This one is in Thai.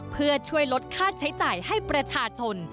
เพื่อช่วยลดค่าใช้จ่ายให้ประชาชน